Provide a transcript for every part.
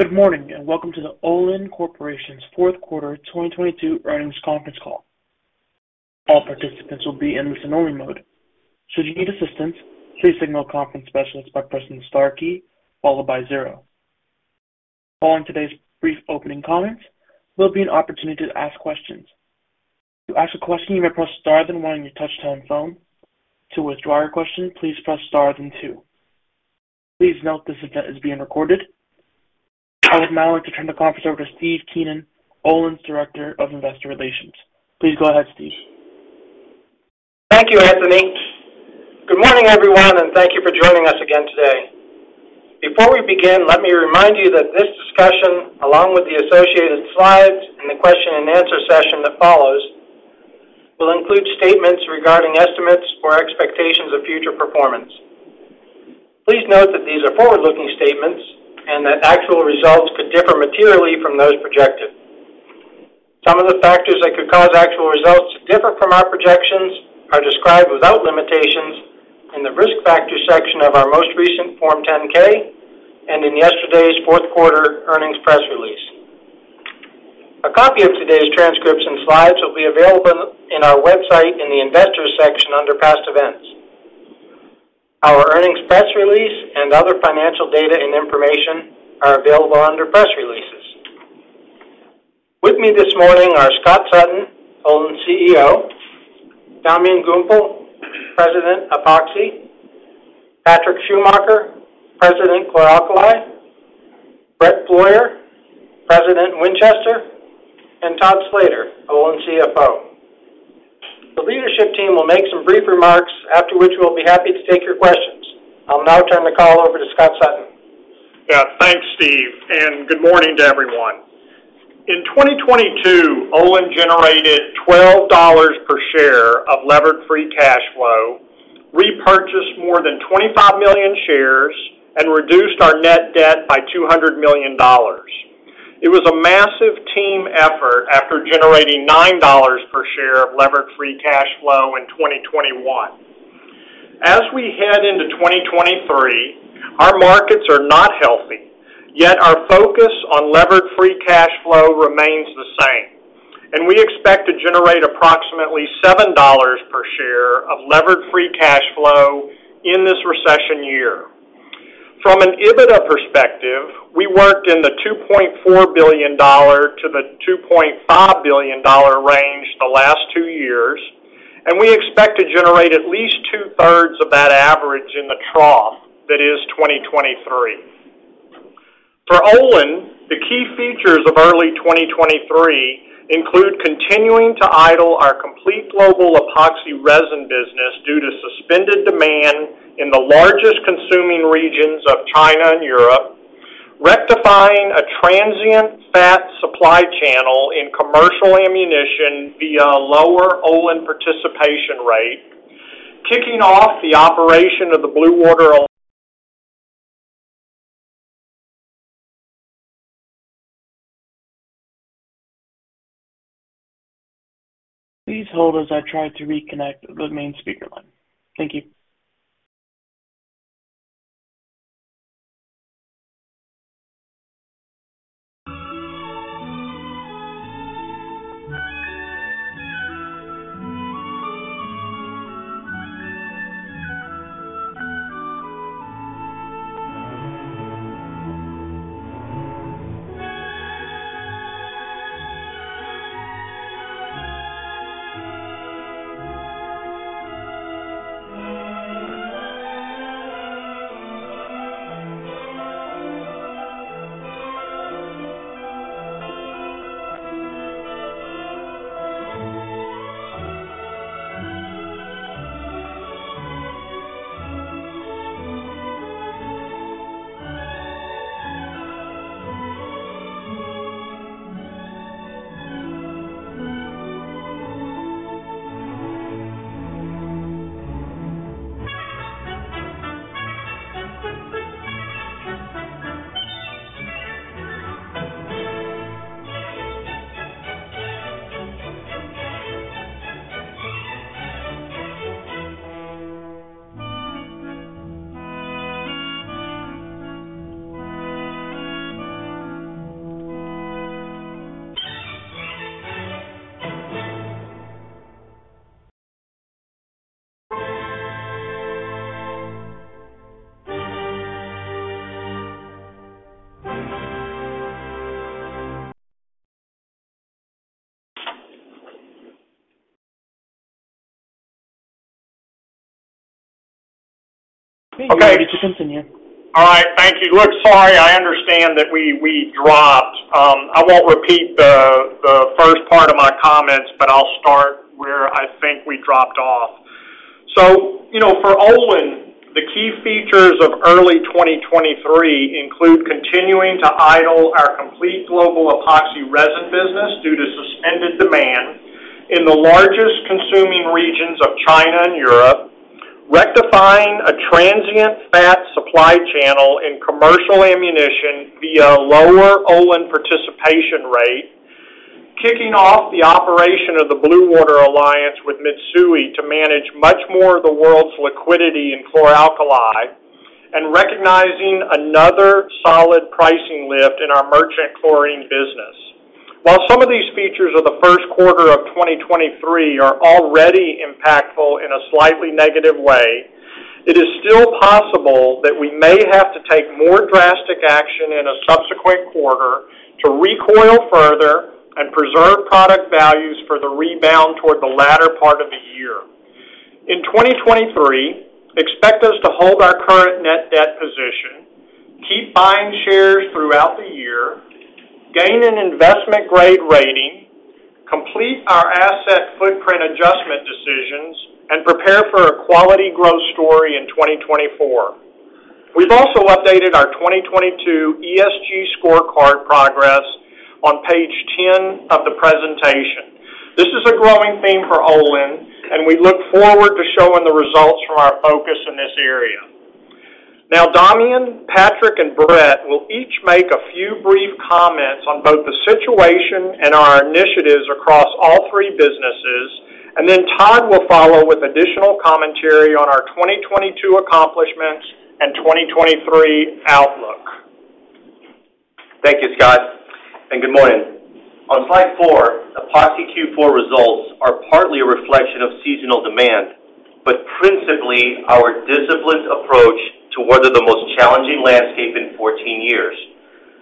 Good morning, welcome to the Olin Corporation's Q4 2022 earnings conference call. All participants will be in listen-only mode. Should you need assistance, please signal a conference specialist by pressing star key followed by zero. Following today's brief opening comments, there will be an opportunity to ask questions. To ask a question, you may press star then one on your touch-tone phone. To withdraw your question, please press star then two. Please note this event is being recorded. I would now like to turn the conference over to Steve Keenan, Olin's Director of Investor Relations. Please go ahead, Steve. Thank you, Anthony. Good morning, everyone, and thank you for joining us again today. Before we begin, let me remind you that this discussion, along with the associated slides and the question and answer session that follows, will include statements regarding estimates or expectations of future performance. Please note that these are forward-looking statements and that actual results could differ materially from those projected. Some of the factors that could cause actual results to differ from our projections are described without limitations in the Risk Factors section of our most recent Form 10-K and in yesterday's Q4 earnings press release. A copy of today's transcripts and slides will be available in our website in the Investors section under Past Events. Our earnings press release and other financial data and information are available under Press Releases. With me this morning are Scott Sutton, Olin's CEO; Damian Gumpel, President, Epoxy; Patrick Schumacher, President, Chlor Alkali; Brett Flaugher, President, Winchester; and Todd Slater, Olin's CFO. The leadership team will make some brief remarks, after which we'll be happy to take your questions. I'll now turn the call over to Scott Sutton. Yeah, thanks, Steve, and good morning to everyone. In 2022, Olin generated $12 per share of levered free cash flow, repurchased more than 25 million shares, and reduced our net debt by $200 million. It was a massive team effort after generating $9 per share of levered free cash flow in 2021. As we head into 2023, our markets are not healthy, yet our focus on levered free cash flow remains the same, and we expect to generate approximately $7 per share of levered free cash flow in this recession year. From an EBITDA perspective, we worked in the $2.4 billion-$2.5 billion range the last two years, and we expect to generate at least two-thirds of that average in the trough that is 2023. For Olin, the key features of early 2023 include continuing to idle our complete global Epoxy resin business due to suspended demand in the largest consuming regions of China and Europe, rectifying a transient fat supply channel in commercial ammunition via a lower Olin participation rate, kicking off the operation of the Blue Water. Please hold as I try to reconnect the main speaker line. Thank you. Please wait to continue. All right. Thank you. Look, sorry, I understand that we dropped. I won't repeat the first part of my comments, but I'll start where I think we dropped off. You know, for Olin, the key features of early 2023 include continuing to idle our complete global Epoxy resin business due to suspended demand in the largest consuming regions of China and Europe, rectifying a transient fat supply channel in commercial ammunition via a lower Olin participation rate. Kicking off the operation of the Blue Water Alliance with Mitsui to manage much more of the world's liquidity in chlor-alkali, and recognizing another solid pricing lift in our merchant chlorine business. While some of these features of the Q1 of 2023 are already impactful in a slightly negative way, it is still possible that we may have to take more drastic action in a subsequent quarter to recoil further and preserve product values for the rebound toward the latter part of the year. In 2023, expect us to hold our current net debt position, keep buying shares throughout the year, gain an investment-grade rating, complete our asset footprint adjustment decisions, and prepare for a quality growth story in 2024. We've also updated our 2022 ESG scorecard progress on page 10 of the presentation. This is a growing theme for Olin. We look forward to showing the results from our focus in this area. Damian, Patrick Schumacher, and Brett Flaugher will each make a few brief comments on both the situation and our initiatives across all three businesses, and then Todd Slater will follow with additional commentary on our 2022 accomplishments and 2023 outlook. Thank you, Scott, and good morning. On slide four, Epoxy Q4 results are partly a reflection of seasonal demand, but principally our disciplined approach to weather the most challenging landscape in 14 years,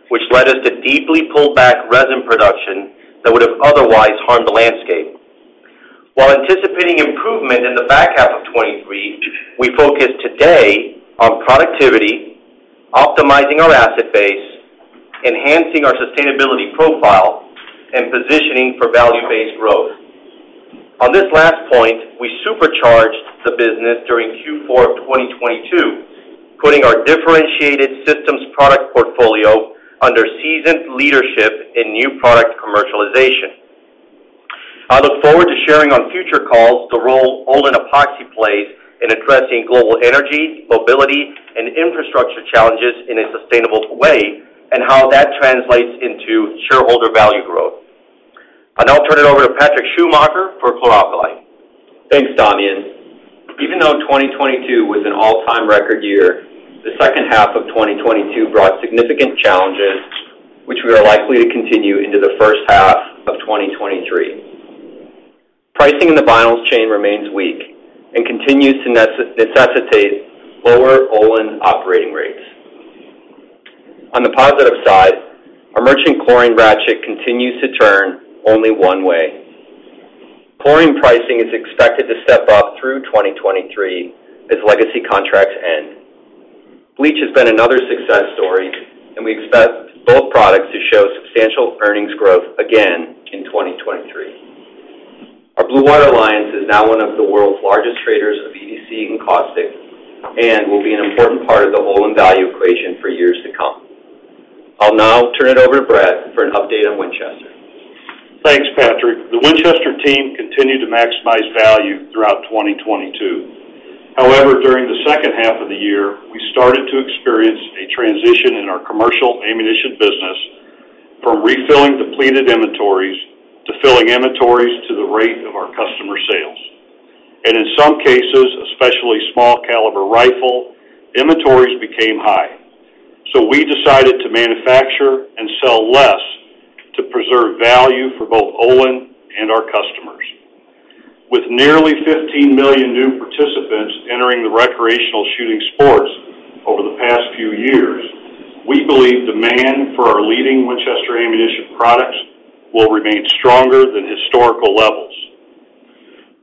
which led us to deeply pull back resin production that would have otherwise harmed the landscape. While anticipating improvement in the back half of 2023, we focus today on productivity, optimizing our asset base, enhancing our sustainability profile, and positioning for value-based growth. On this last point, we supercharged the business during Q4 of 2022, putting our differentiated systems product portfolio under seasoned leadership in new product commercialization. I look forward to sharing on future calls the role Olin Epoxy plays in addressing global energy, mobility, and infrastructure challenges in a sustainable way, and how that translates into shareholder value growth. I'll now turn it over to Patrick Schumacher for Chlor Alkali. Thanks, Damian. Even though 2022 was an all-time record year, the second half of 2022 brought significant challenges which we are likely to continue into the first half of 2023. Pricing in the vinyls chain remains weak and continues to necessitate lower Olin operating rates. On the positive side, our merchant chlorine ratchet continues to turn only one way. Chlorine pricing is expected to step up through 2023 as legacy contracts end. Bleach has been another success story, and we expect both products to show substantial earnings growth again in 2023. Our Blue Water Alliance is now one of the world's largest traders of EDC and caustic, and will be an important part of the Olin value equation for years to come. I'll now turn it over to Brett for an update on Winchester. Thanks, Patrick. The Winchester team continued to maximize value throughout 2022. During the second half of the year, we started to experience a transition in our commercial ammunition business from refilling depleted inventories to filling inventories to the rate of our customer sales. In some cases, especially small caliber rifle, inventories became high. We decided to manufacture and sell less to preserve value for both Olin and our customers. With nearly 15 million new participants entering the recreational shooting sports over the past few years, we believe demand for our leading Winchester ammunition products will remain stronger than historical levels.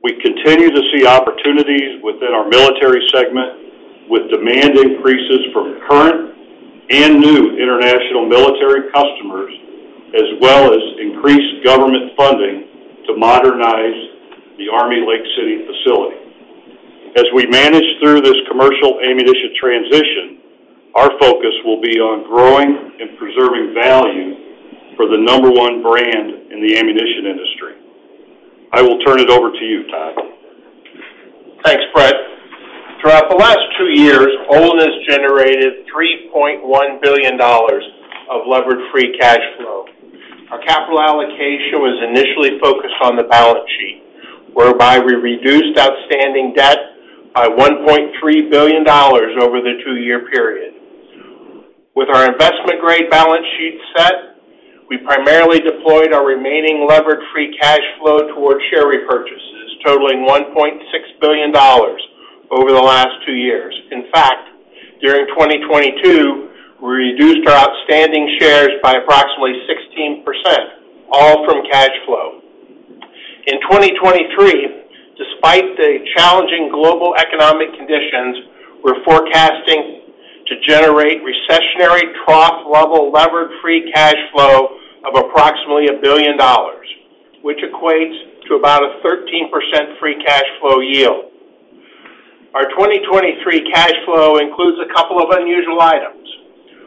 We continue to see opportunities within our military segment with demand increases from current and new international military customers, as well as increased government funding to modernize the Army Lake City facility. As we manage through this commercial ammunition transition, our focus will be on growing and preserving value for the number one brand in the ammunition industry. I will turn it over to you, Todd. Thanks, Brett. Throughout the last two years, Olin has generated $3.1 billion of levered free cash flow. Our capital allocation was initially focused on the balance sheet, whereby we reduced outstanding debt by $1.3 billion over the two-year period. With our investment-grade balance sheet set, we primarily deployed our remaining levered free cash flow towards share repurchases, totaling $1.6 billion over the last two years. In fact, during 2022, we reduced our outstanding shares by approximately 16%, all from cash flow. In 2023, despite the challenging global economic conditions, we're forecasting to generate recessionary trough-level levered free cash flow of approximately $1 billion, which equates to about a 13% free cash flow yield. Our 2023 cash flow includes a couple of unusual items.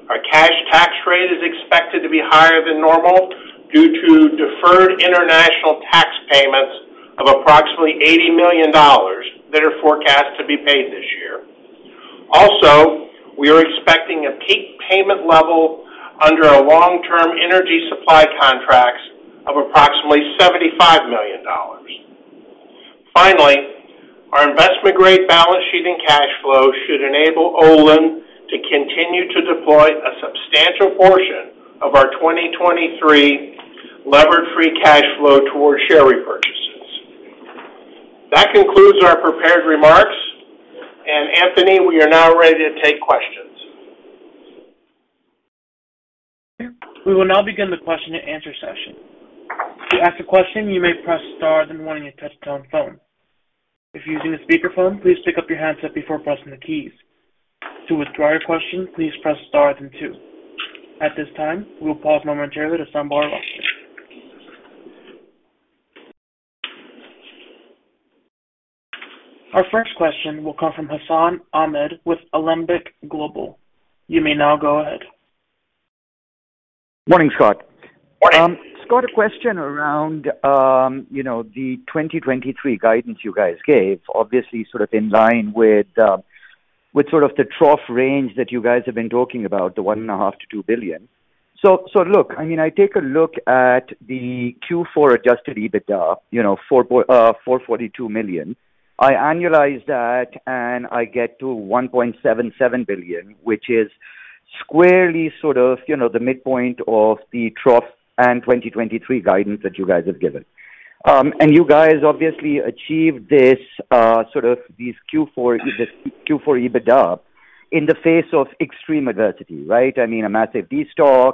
Our cash tax rate is expected to be higher than normal due to deferred international tax. Approximately $80 million that are forecast to be paid this year. We are expecting a peak payment level under our long-term energy supply contracts of approximately $75 million. Our investment grade balance sheet and cash flow should enable Olin to continue to deploy a substantial portion of our 2023 levered free cash flow towards share repurchases. That concludes our prepared remarks, and Anthony, we are now ready to take questions. We will now begin the question and answer session. To ask a question, you may press star then one on your touchtone phone. If you're using a speakerphone, please pick up your handset before pressing the keys. To withdraw your question, please press star then two. At this time, we'll pause momentarily to stumble our roster. Our first question will come from Hassan Ahmed with Alembic Global. You may now go ahead. Morning, Scott. Morning. Scott, a question around, you know, the 2023 guidance you guys gave, obviously sort of in line with sort of the trough range that you guys have been talking about, the $1.5 billion to $2 billion. Look, I mean, I take a look at the Q4 adjusted EBITDA, you know, $442 million. I annualize that, and I get to $1.77 billion, which is squarely sort of, you know, the midpoint of the trough and 2023 guidance that you guys have given. You guys obviously achieved this, sort of these Q4, the Q4 EBITDA in the face of extreme adversity, right? I mean, a massive destock,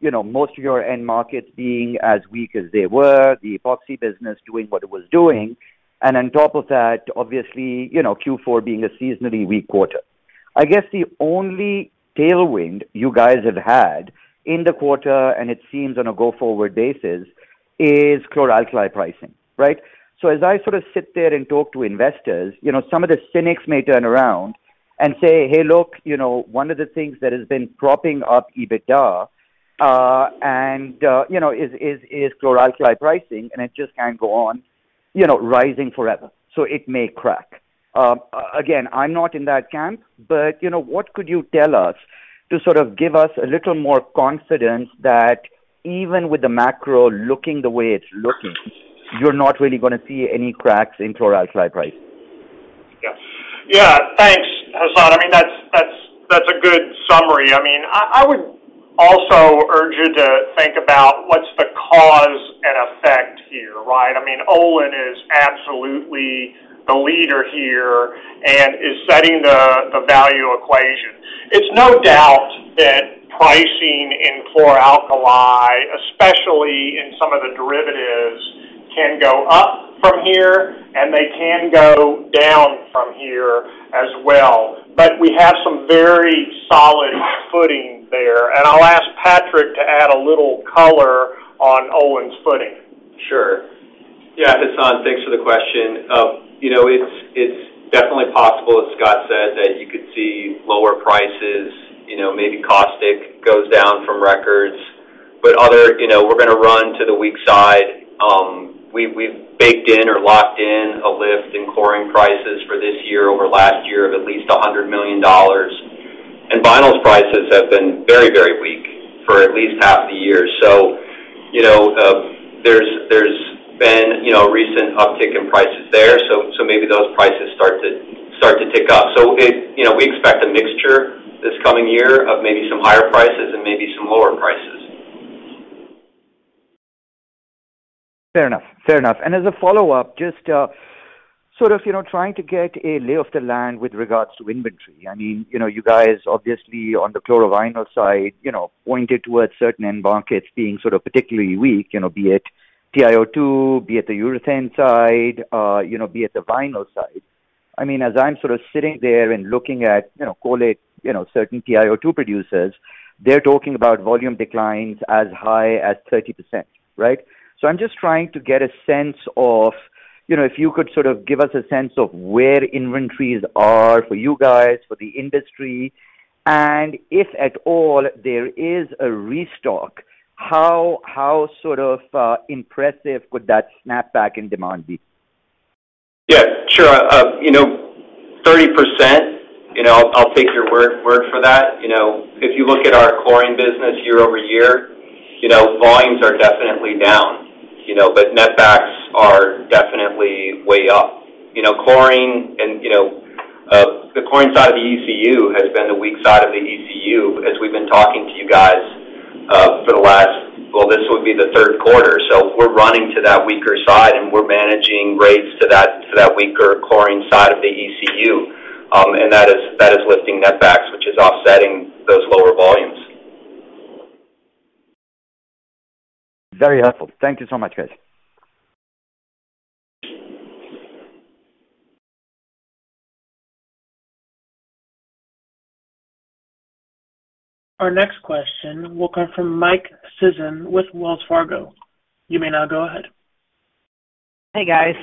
you know, most of your end markets being as weak as they were, the Epoxy business doing what it was doing. On top of that, obviously, you know, Q4 being a seasonally weak quarter. I guess the only tailwind you guys have had in the quarter, and it seems on a go-forward basis, is Chlor-Alkali pricing, right? As I sort of sit there and talk to investors, you know, some of the cynics may turn around and say, "Hey, look, you know, one of the things that has been propping up EBITDA, and, you know, is Chlor-Alkali pricing, and it just can't go on, you know, rising forever, so it may crack." Again, I'm not in that camp, but, you know, what could you tell us to sort of give us a little more confidence that even with the macro looking the way it's looking, you're not really gonna see any cracks in Chlor-Alkali price? Yeah. Yeah. Thanks, Hassan. I mean, that's a good summary. I mean, I would also urge you to think about what's the cause and effect here, right? I mean, Olin is absolutely the leader here and is setting the value equation. It's no doubt that pricing in chloralkali, especially in some of the derivatives, can go up from here, and they can go down from here as well. We have some very solid footing there, and I'll ask Patrick to add a little color on Olin's footing. Sure. Yeah, Hassan, thanks for the question. You know, it's definitely possible, as Scott said, that you could see lower prices. You know, maybe caustic goes down from records. Other, you know, we're gonna run to the weak side. We've baked in or locked in a lift in chlorine prices for this year over last year of at least $100 million. Vinyls prices have been very, very weak for at least half the year. You know, there's been, you know, recent uptick in prices there, so maybe those prices start to tick up. You know, we expect a mixture this coming year of maybe some higher prices and maybe some lower prices. Fair enough. Fair enough. As a follow-up, just, sort of, you know, trying to get a lay of the land with regards to inventory. I mean, you know, you guys obviously on the Chlorovinyl side, you know, pointed towards certain end markets being sort of particularly weak, you know, be it TiO2, be it the urethane side, you know, be it the vinyl side. I mean, as I'm sort of sitting there and looking at, you know, call it, you know, certain TiO2 producers, they're talking about volume declines as high as 30%, right? I'm just trying to get a sense of, you know, if you could sort of give us a sense of where inventories are for you guys, for the industry, and if at all there is a restock, how sort of, impressive could that snapback and demand be? Yeah, sure. You know, 30%, you know, I'll take your word for that. You know, if you look at our chlorine business year-over-year, you know, volumes are definitely down, you know, but net backs are definitely way up. You know, chlorine and, you know, the chlorine side of the ECU has been the weak side of the ECU as we've been talking to you guys. Well, this would be the Q3. We're running to that weaker side, and we're managing rates to that weaker chlorine side of the ECU. That is lifting net backs, which is offsetting those lower volumes. Very helpful. Thank you so much, guys. Our next question will come from Mike Sison with Wells Fargo. You may now go ahead. Hey, guys.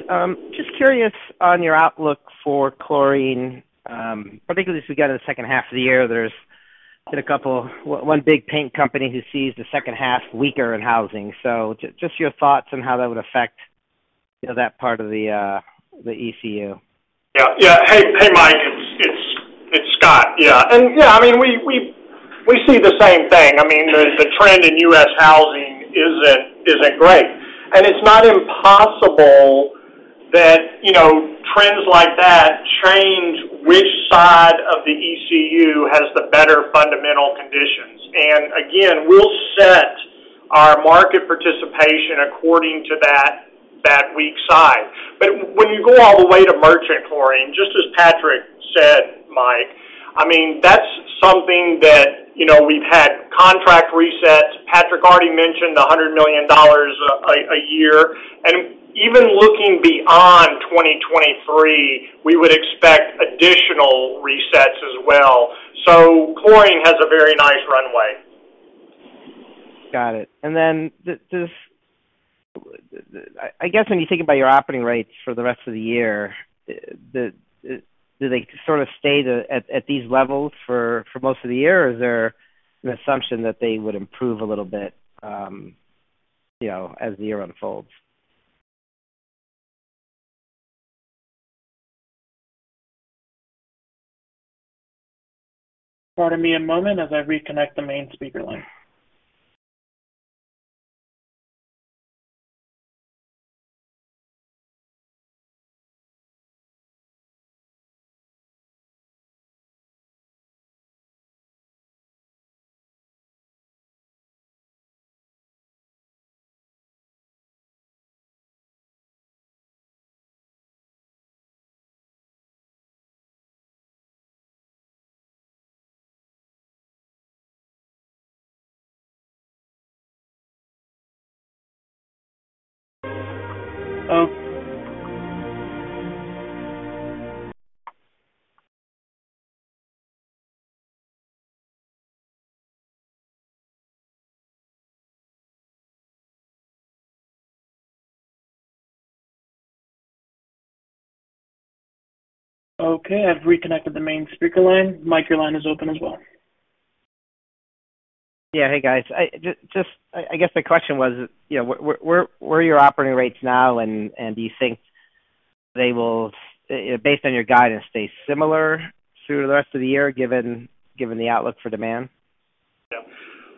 Just curious on your outlook for chlorine, particularly as we get in the second half of the year. Did a couple-- one big paint company who sees the second half weaker in housing. Just your thoughts on how that would affect, you know, that part of the ECU? Yeah. Yeah. Hey, Mike, it's Scott Sutton. Yeah. I mean, we see the same thing. I mean, the trend in U.S. housing isn't great. It's not impossible that, you know, trends like that change which side of the ECU has the better fundamental conditions. Again, we'll set our market participation according to that weak side. When you go all the way to merchant chlorine, just as Patrick Schumacher said, Mike, I mean, that's something that, you know, we've had contract resets. Patrick Schumacher already mentioned $100 million a year. Even looking beyond 2023, we would expect additional resets as well. Chlorine has a very nice runway. Got it. I guess when you think about your operating rates for the rest of the year, do they sort of stay at these levels for most of the year? Or is there an assumption that they would improve a little bit, you know, as the year unfolds? Pardon me a moment as I reconnect the main speaker line. Okay, I've reconnected the main speaker line. Mike, your line is open as well. Yeah. Hey, guys. I guess the question was, you know, where are your operating rates now? Do you think they will, you know, based on your guidance, stay similar through the rest of the year, given the outlook for demand? Yeah.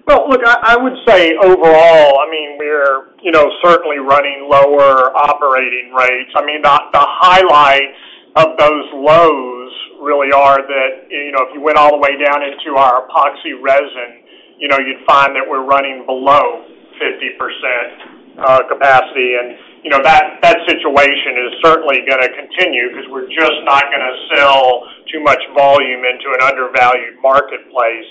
Well, look, I would say overall, I mean, we're, you know, certainly running lower operating rates. I mean, the highlights of those lows really are that, you know, if you went all the way down into our epoxy resin, you know, you'd find that we're running below 50% capacity. You know, that situation is certainly gonna continue because we're just not gonna sell too much volume into an undervalued marketplace.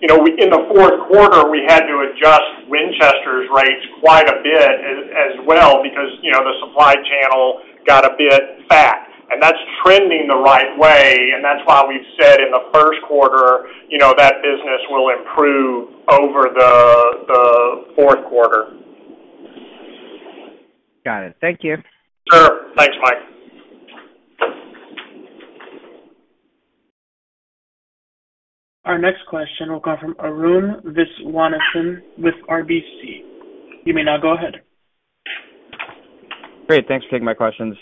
You know, in the Q4, we had to adjust Winchester's rates quite a bit as well because, you know, the supply channel got a bit fat. That's trending the right way, and that's why we've said in the Q1, you know, that business will improve over the Q4. Got it. Thank you. Sure. Thanks, Mike. Our next question will come from Arun Viswanathan with RBC. You may now go ahead. Great. Thanks for taking my questions.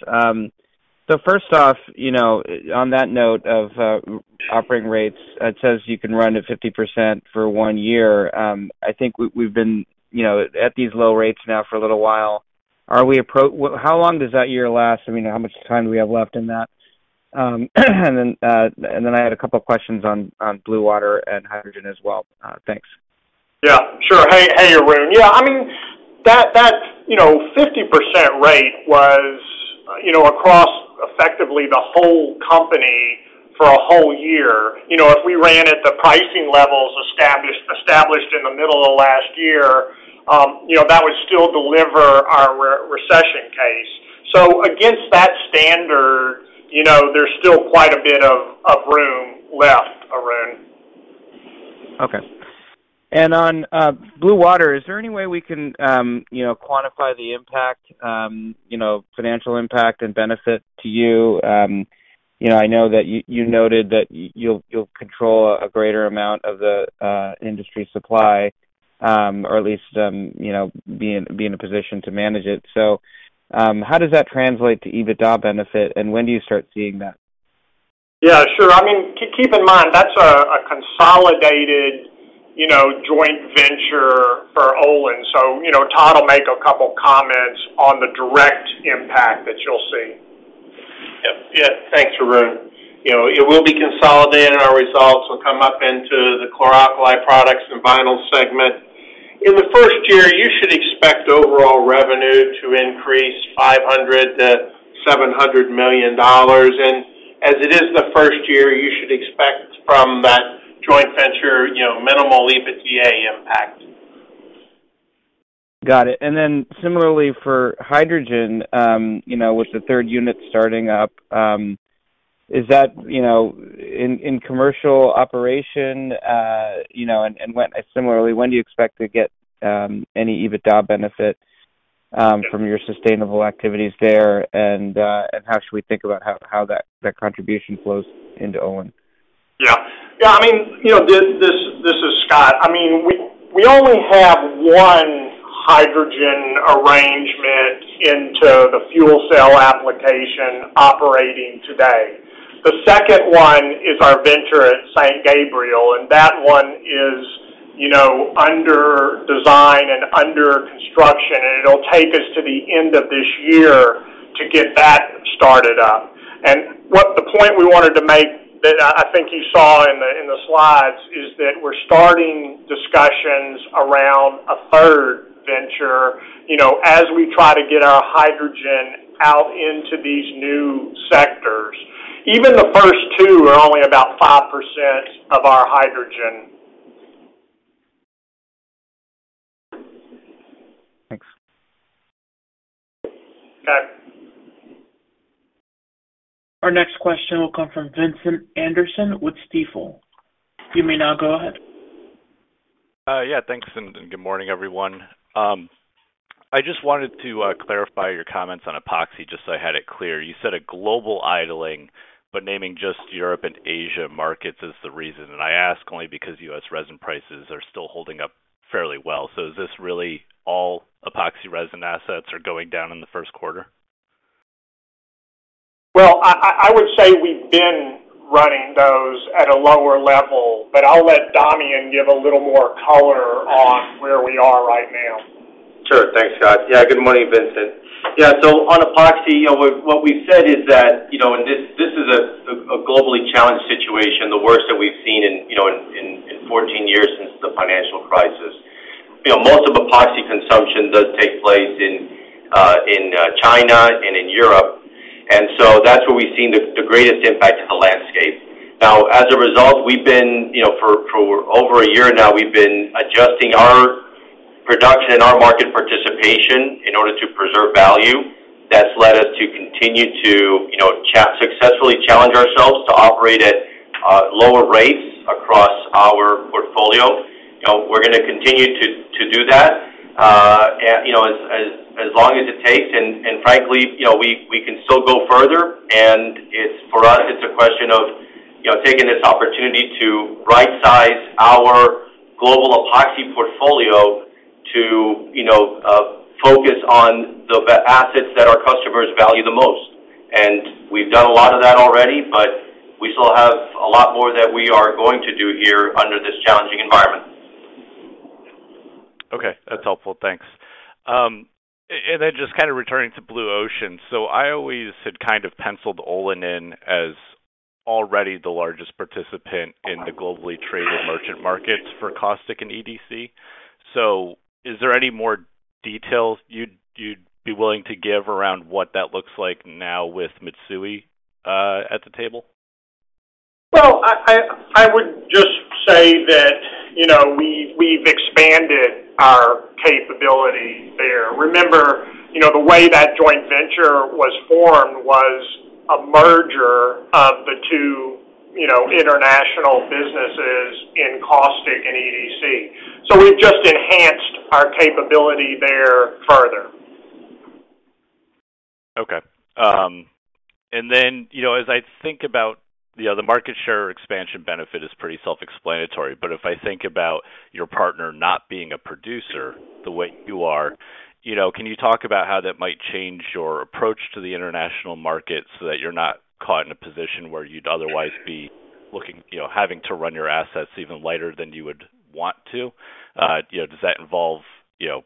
First off, you know, on that note of operating rates, it says you can run at 50% for one year. I think we've been, you know, at these low rates now for a little while. Are we? How long does that year last? I mean, how much time do we have left in that? I had a couple of questions on Blue Water and Hydrogen as well. Thanks. Sure. Hey, Arun. I mean, that, you know, 50% rate was, you know, across effectively the whole company for a whole year. You know, if we ran at the pricing levels established in the middle of last year, you know, that would still deliver our recession case. Against that standard, you know, there's still quite a bit of room left, Arun. Okay. On Blue Water, is there any way we can, you know, quantify the impact, you know, financial impact and benefit to you? You know, I know that you noted that you'll control a greater amount of the industry supply, or at least, you know, be in a position to manage it. How does that translate to EBITDA benefit, and when do you start seeing that? Yeah, sure. I mean, keep in mind, that's a consolidated, you know, joint venture for Olin. You know, Todd will make a couple of comments on the direct impact that you'll see. Yeah. Yeah. Thanks, Arun. You know, it will be consolidated, and our results will come up into the Chlor Alkali Products and Vinyls segment. In the first year, you should expect overall revenue to increase $500 million-$700 million. As it is the first year, you should expect from that joint venture, you know, minimal EBITDA impact. Got it. Similarly for Hydrogen, you know, with the third unit starting up, is that, you know, in commercial operation, you know, and similarly, when do you expect to get any EBITDA benefit? from your sustainable activities there. How should we think about how that contribution flows into Olin? Yeah. Yeah. I mean, you know, this is Scott. I mean, we only have one hydrogen arrangement into the fuel cell application operating today. The second one is our venture at St. Gabriel, and that one is, you know, under design and under construction, and it'll take us to the end of this year to get that started up. The point we wanted to make that I think you saw in the slides is that we're starting discussions around a third venture, you know, as we try to get our hydrogen out into these new sectors. Even the first two are only about 5% of our hydrogen. Thanks. Okay. Our next question will come from Vincent Anderson with Stifel. You may now go ahead. Yeah, thanks and good morning, everyone. I just wanted to clarify your comments on Epoxy, just so I had it clear. You said a global idling, but naming just Europe and Asia markets as the reason. I ask only because U.S. resin prices are still holding up fairly well. Is this really all Epoxy resin assets are going down in the Q1? Well, I would say we've been running those at a lower level. I'll let Damian give a little more color on where we are right now. Sure. Thanks, Scott. Good morning, Vincent. On Epoxy, you know, what we said is that, you know, this is a globally challenged situation, the worst that we've seen in, you know, 14 years since the financial crisis. You know, most of Epoxy consumption does take place in China and in Europe. That's where we've seen the greatest impact to the landscape. As a result, we've been, you know, for over a year now, we've been adjusting our production and our market participation in order to preserve value. That's led us to continue to, you know, successfully challenge ourselves to operate at lower rates across our portfolio. You know, we're gonna continue to do that, and, you know, as long as it takes. Frankly, you know, we can still go further. It's, for us, it's a question of, you know, taking this opportunity to right-size our global Epoxy portfolio to, you know, focus on the assets that our customers value the most. We've done a lot of that already, but we still have a lot more that we are going to do here under this challenging environment. Okay. That's helpful. Thanks. And then just kinda returning to Blue Water Alliance. I always had kind of penciled Olin in as already the largest participant in the globally traded merchant markets for caustic and EDC. Is there any more details you'd be willing to give around what that looks like now with Mitsui at the table? I would just say that, you know, we've expanded our capability there. Remember, you know, the way that joint venture was formed was a merger of the two, you know, international businesses in caustic and EDC. We've just enhanced our capability there further. Okay. And then, you know, as I think about, you know, the market share expansion benefit is pretty self-explanatory. If I think about your partner not being a producer the way you are, you know, can you talk about how that might change your approach to the international market so that you're not caught in a position where you'd otherwise be looking, you know, having to run your assets even lighter than you would want to? You know, does that involve, you know,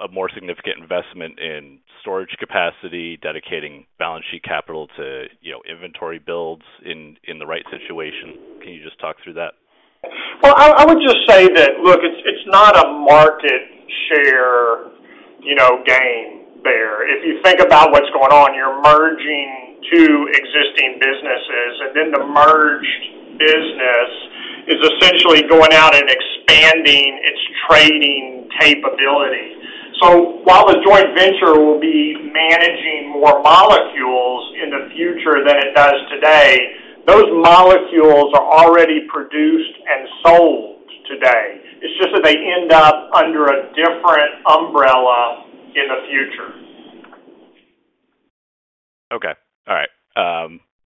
a more significant investment in storage capacity, dedicating balance sheet capital to, you know, inventory builds in the right situation? Can you just talk through that? Well, I would just say that, look, it's not a market share, you know, gain there. If you think about what's going on, you're merging two existing businesses, the merged business is essentially going out and expanding its trading capability. While the joint venture will be managing more molecules in the future than it does today, those molecules are already produced and sold today. It's just that they end up under a different umbrella in the future. Okay. All right.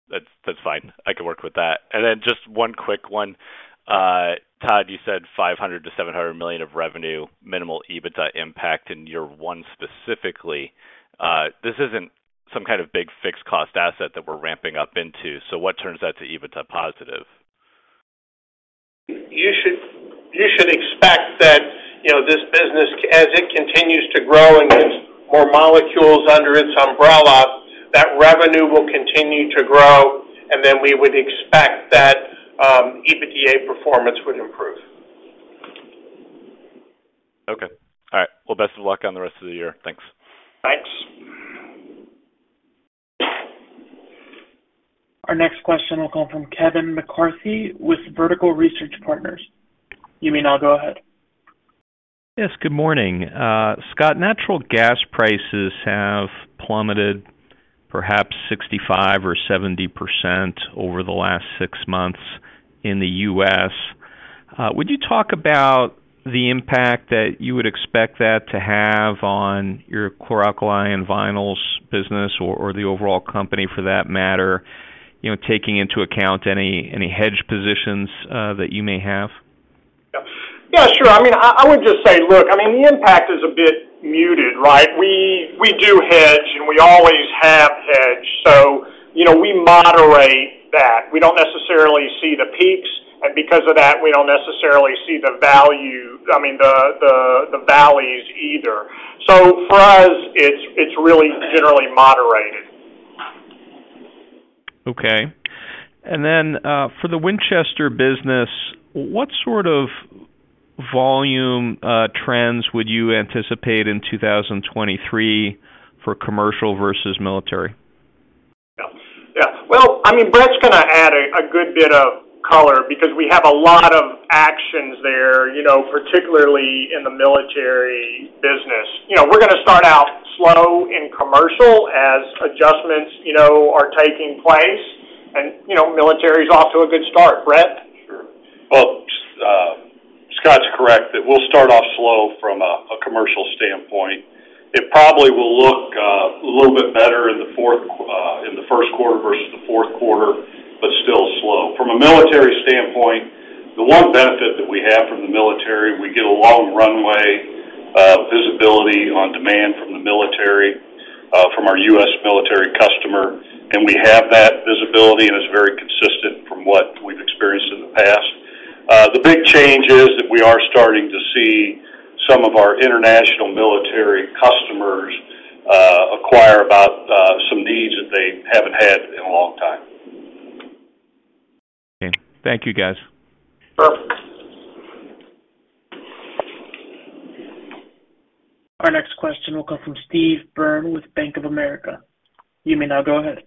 That's, that's fine. I can work with that. Just one quick one. Todd, you said $500 million-$700 million of revenue, minimal EBITDA impact in year one specifically. This isn't some kind of big fixed cost asset that we're ramping up into. What turns that to EBITDA positive? You should expect that, you know, this business, as it continues to grow and gets more molecules under its umbrella, that revenue will continue to grow, and then we would expect that EBITDA performance would improve. Okay. All right. Best of luck on the rest of the year. Thanks. Thanks. Our next question will come from Kevin McCarthy with Vertical Research Partners. You may now go ahead. Yes, good morning. Scott, natural gas prices have plummeted perhaps 65% or 70% over the last six months in the U.S. Would you talk about the impact that you would expect that to have on your Chlor Alkali and Vinyls business or the overall company for that matter, you know, taking into account any hedge positions that you may have? Yeah. Yeah, sure. I mean, I would just say, look, I mean, the impact is a bit muted, right? We do hedge, and we always have hedged, so, you know, we moderate that. We don't necessarily see the peaks, and because of that, we don't necessarily see the value, I mean, the valleys either. For us, it's really generally moderated. Okay. for the Winchester business, what sort of volume trends would you anticipate in 2023 for commercial versus military? Yeah. Yeah. Well, I mean, Brett's gonna add a good bit of color because we have a lot of actions there, you know, particularly in the military business. You know, we're gonna start out slow in commercial as adjustments, you know, are taking place. You know, military is off to a good start. Brett? Sure. Well, Scott's correct that we'll start off slow from a commercial standpoint. It probably will look a little bit better in the Q1 versus the Q4, but still slow. From a military standpoint, the one benefit that we have from the military, we get a long runway, visibility on demand from the military, from our U.S. military customer, and we have that visibility, and it's very consistent from what we've experienced in the past. The big change is that we are starting to see some of our international military customers acquire about some needs that they haven't had in a long time. Okay. Thank you, guys. Perfect. Our next question will come from Steve Byrne with Bank of America. You may now go ahead.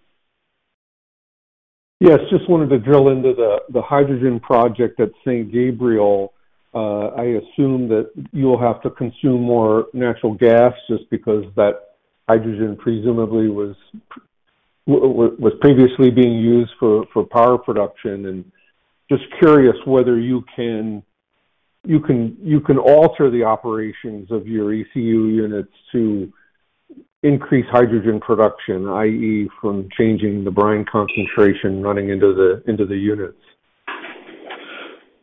Yes, just wanted to drill into the hydrogen project at St. Gabriel. I assume that you'll have to consume more natural gas just because that hydrogen presumably was previously being used for power production. Just curious whether you can alter the operations of your ECU units to increase hydrogen production, i.e., from changing the brine concentration running into the, into the units.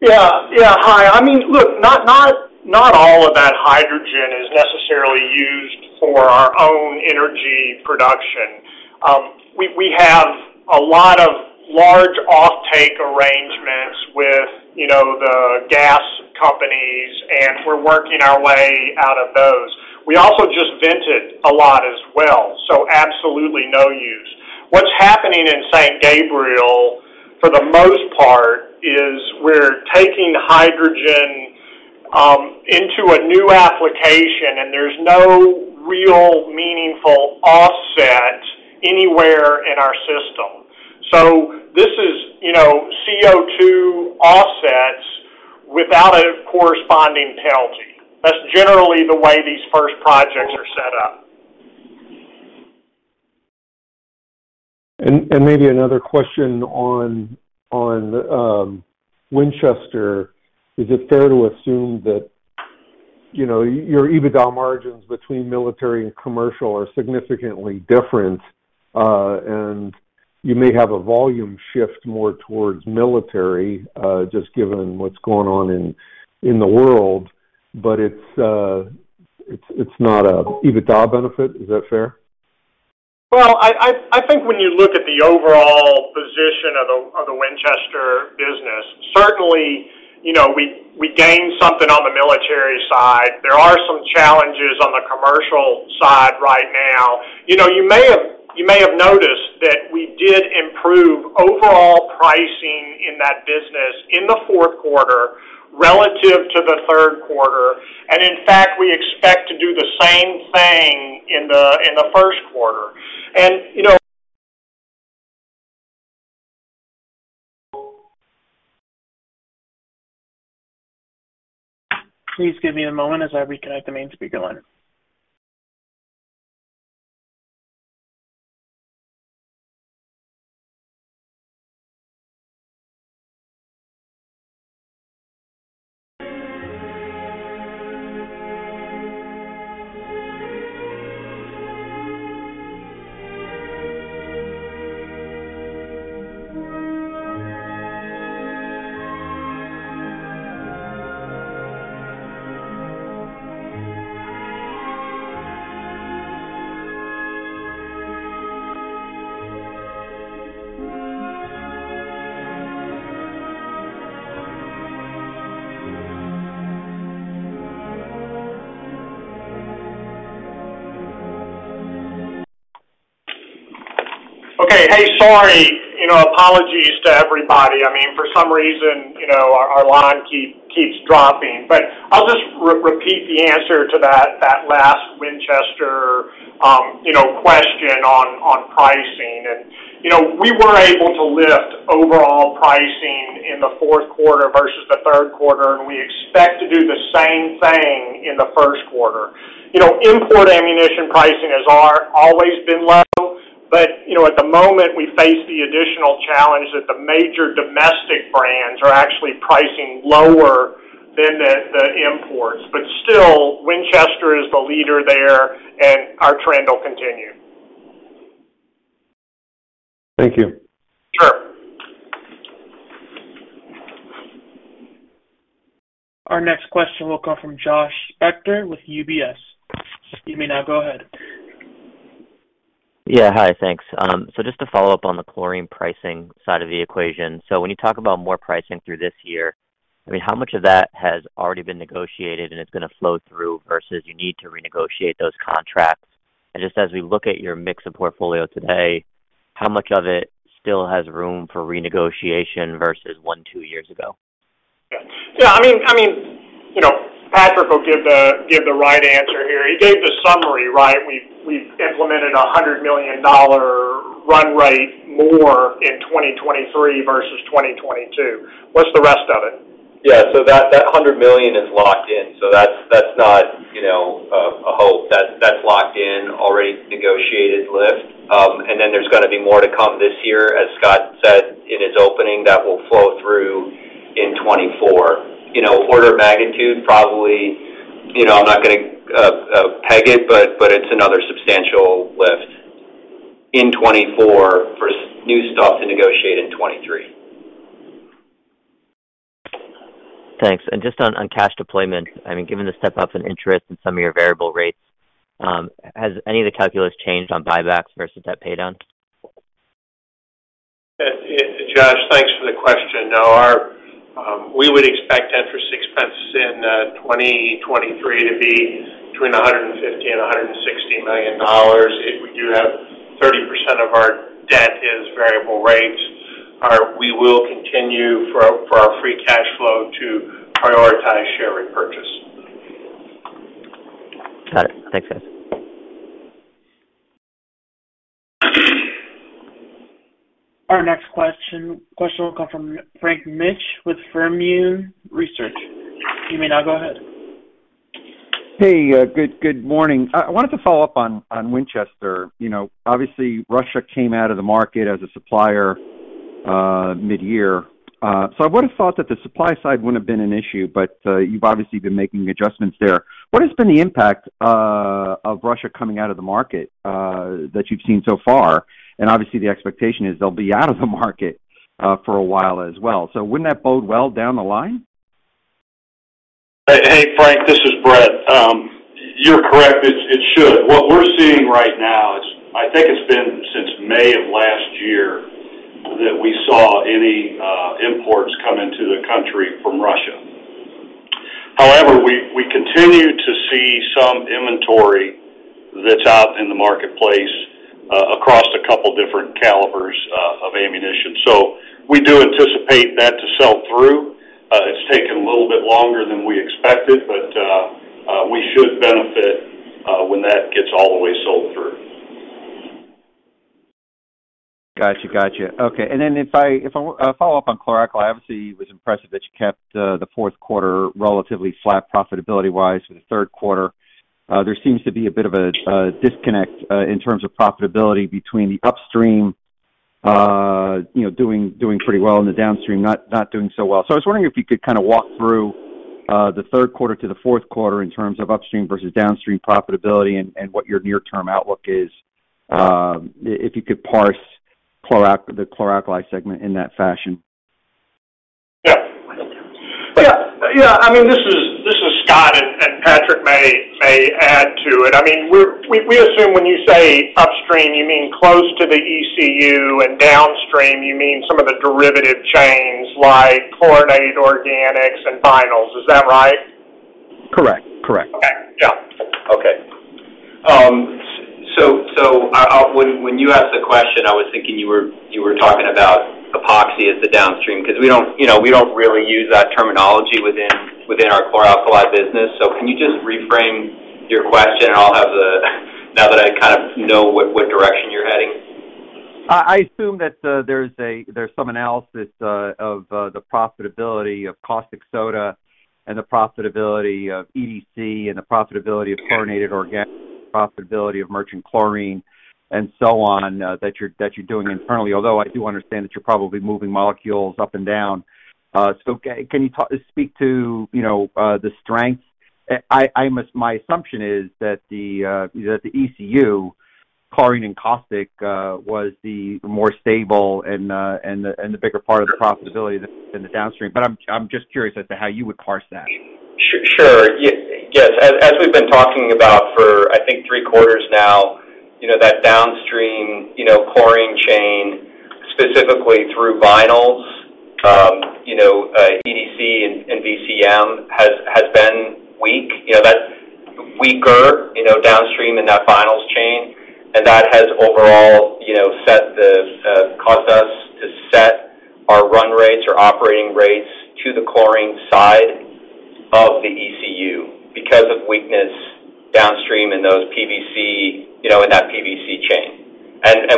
Yeah. Yeah. Hi. I mean, look, not all of that hydrogen is necessarily used for our own energy production. We have a lot of large offtake arrangements with, you know, the gas companies, we're working our way out of those. We also just vented a lot as well, absolutely no use. What's happening in St. Gabriel, for the most part, is we're taking hydrogen into a new application, there's no real meaningful offset anywhere in our system. This is, you know, CO2 offsets without a corresponding penalty. That's generally the way these first projects are set up. Maybe another question on Winchester. Is it fair to assume that, you know, your EBITDA margins between military and commercial are significantly different, and you may have a volume shift more towards military, just given what's going on in the world, but it's not a EBITDA benefit. Is that fair? Well, I think when you look at the overall position of the Winchester business, certainly, you know, we gain something on the military side. There are some challenges on the commercial side right now. You know, you may have noticed that we did improve overall pricing in that business in the Q4 relative to the Q3. In fact, we expect to do the same thing in the Q1. You know... Please give me a moment as I reconnect the main speaker line. Okay. Hey, sorry. You know, apologies to everybody. I mean, for some reason, you know, our line keeps dropping. I'll just repeat the answer to that last Winchester, you know, question on pricing. You know, we were able to lift overall pricing in the Q4 versus the Q3, and we expect to do the same thing in the Q1. You know, import ammunition pricing has are always been less, but, you know, at the moment, we face the additional challenge that the major domestic brands are actually pricing lower than the imports. Still, Winchester is the leader there, and our trend will continue. Thank you. Sure. Our next question will come from Josh Spector with UBS. You may now go ahead. Yeah. Hi. Thanks. Just to follow up on the chlorine pricing side of the equation. When you talk about more pricing through this year, I mean, how much of that has already been negotiated and it's gonna flow through, versus you need to renegotiate those contracts? Just as we look at your mix of portfolio today, how much of it still has room for renegotiation versus one, two years ago? Yeah. I mean, you know, Patrick will give the right answer here. He gave the summary, right? We've implemented a $100 million run rate more in 2023 versus 2022. What's the rest of it? Yeah. That $100 million is locked in, that's not, you know, a hope. That's locked in, already negotiated lift. There's gonna be more to come this year, as Scott said in his opening, that will flow through in 2024. You know, order of magnitude, probably, you know, I'm not gonna peg it, but it's another substantial lift in 2024 for new stuff to negotiate in 2023. Thanks. Just on cash deployment, I mean, given the step up in interest in some of your variable rates, has any of the calculus changed on buybacks versus debt paydown? Josh, thanks for the question. Our... We would expect interest expense in 2023 to be between $150 million and $160 million. We do have 30% of our debt is variable rates. We will continue for our free cash flow to prioritize share repurchase. Got it. Thanks, guys. Our next question will come from Frank Mitsch with Fermium Research. You may now go ahead. Hey, good morning. I wanted to follow up on Winchester. You know, obviously, Russia came out of the market as a supplier, midyear, so I would've thought that the supply side wouldn't have been an issue, but you've obviously been making adjustments there. What has been the impact of Russia coming out of the market that you've seen so far? Obviously, the expectation is they'll be out of the market for a while as well. Wouldn't that bode well down the line? Hey, Frank Mitsch. This is Brett Flaugher. You're correct. It should. What we're seeing right now is I think it's been since May of last year that we saw any imports come into the country from Russia. However, we continue to see some inventory that's out in the marketplace across a couple different calibers of ammunition. We do anticipate that to sell through. It's taken a little bit longer than we expected, but we should benefit when that gets all the way sold through. Gotcha. Gotcha. Okay. Then if I follow up on Chlor Alkali, obviously, it was impressive that you kept the Q4 relatively flat profitability-wise in the Q3. There seems to be a bit of a disconnect in terms of profitability between the upstream, you know, doing pretty well and the downstream not doing so well. I was wondering if you could kinda walk through the Q3 to the Q4 in terms of upstream versus downstream profitability and what your near-term outlook is if you could parse the Chlor Alkali segment in that fashion. Yeah. Yeah. Yeah. I mean, this is Scott, and Patrick may add to it. I mean, we assume when you say upstream, you mean close to the ECU, and downstream, you mean some of the derivative chains like chlorinated organics and vinyls. Is that right? Correct. Correct. Okay. Yeah. Okay. so when you asked the question, I was thinking you were talking about Epoxy as the downstream because we don't, you know, we don't really use that terminology within our Chlor-Alkali business. Can you just reframe your question? Now that I kind of know what direction you're heading. I assume that there's some analysis of the profitability of caustic soda and the profitability of EDC and the profitability of chlorinated organics, profitability of merchant chlorine, and so on, that you're doing internally. Although I do understand that you're probably moving molecules up and down. So can you speak to, you know, the strength? I, my assumption is that the ECU chlorine and caustic was the more stable and the bigger part of the profitability than the downstream. I'm just curious as to how you would parse that. Sure. Yes. As we've been talking about for, I think, three quarters now, you know, that downstream, you know, chlorine chain, specifically through vinyls, you know, EDC and VCM has been weak. You know, that's weaker, you know, downstream in that vinyls chain, and that has overall, you know, set the caused us to set our run rates or operating rates to the chlorine side of the ECU because of weakness downstream in those PVC, you know, in that PVC chain.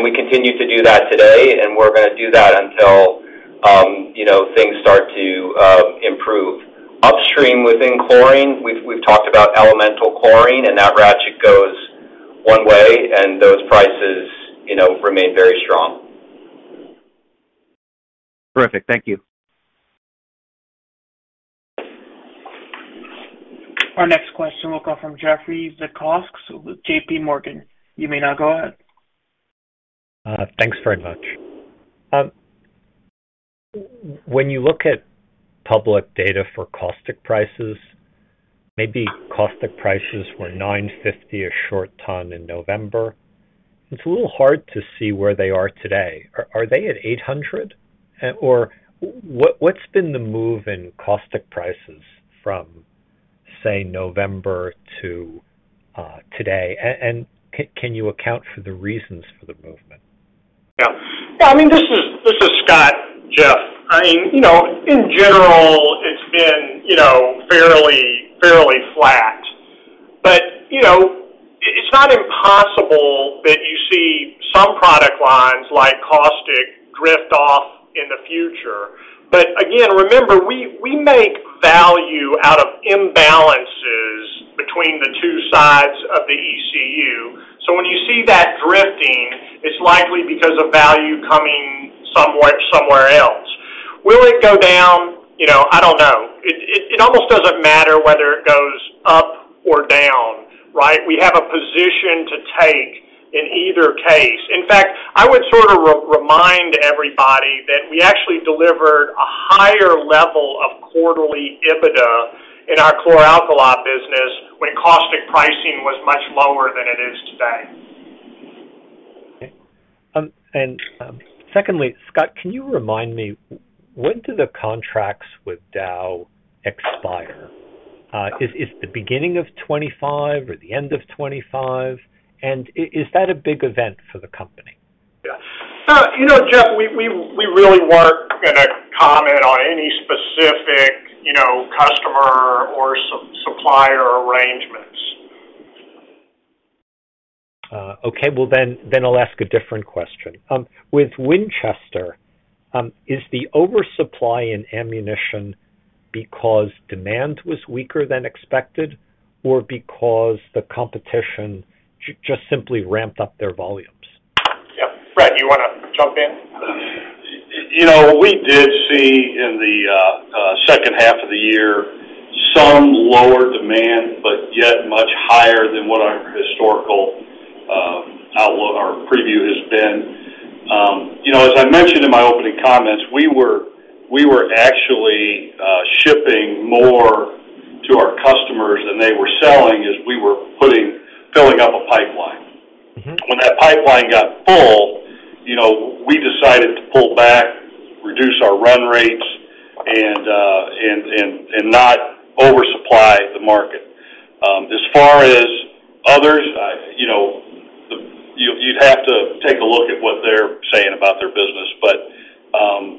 We continue to do that today, and we're gonna do that until, you know, things Stream within chlorine, we've talked about elemental chlorine. That ratchet goes one way. Those prices, you know, remain very strong. Terrific. Thank you. Our next question will come from Jeffrey Zekauskas with JPMorgan. You may now go ahead. Thanks very much. When you look at public data for caustic prices, maybe caustic prices were $950 a short ton in November. It's a little hard to see where they are today. Are they at $800? What's been the move in caustic prices from, say, November to today? And can you account for the reasons for the movement? Yeah. Yeah, I mean, this is Scott, Jeff. I mean, you know, in general, it's been, you know, fairly flat. You know, it's not impossible that you see some product lines like caustic drift off in the future. Again, remember, we make value out of imbalances between the two sides of the ECU. When you see that drifting, it's likely because of value coming somewhat somewhere else. Will it go down? You know, I don't know. It almost doesn't matter whether it goes up or down, right? We have a position to take in either case. In fact, I would sort of remind everybody that we actually delivered a higher level of quarterly EBITDA in our Chlor-Alkali business when caustic pricing was much lower than it is today. Okay. Secondly, Scott, can you remind me, when do the contracts with Dow expire? Is it the beginning of 25 or the end of 25? Is that a big event for the company? Yeah. you know, Jeff, we really weren't gonna comment on any specific, you know, customer or supplier arrangements. Okay. I'll ask a different question. With Winchester, is the oversupply in ammunition because demand was weaker than expected or because the competition just simply ramped up their volumes? Yeah. Brett, do you wanna jump in? You know, we did see in the second half of the year some lower demand, but yet much higher than what our historical outlook or preview has been. You know, as I mentioned in my opening comments, we were actually shipping more to our customers than they were selling as we were filling up a pipeline. Mm-hmm. When that pipeline got full, you know, we decided to pull back, reduce our run rates, and not oversupply the market. As far as others, you know, you'd have to take a look at what they're saying about their business.